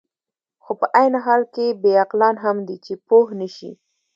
خو په عین حال کې بې عقلان هم دي، چې پوه نه شي.